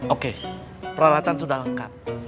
oke peralatan sudah lengkap